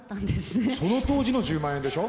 その当時の１０万円でしょ？